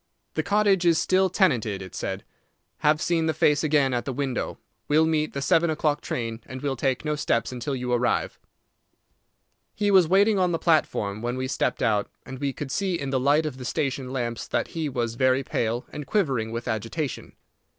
"The cottage is still tenanted," it said. "Have seen the face again at the window. Will meet the seven o'clock train, and will take no steps until you arrive." He was waiting on the platform when we stepped out, and we could see in the light of the station lamps that he was very pale, and quivering with agitation.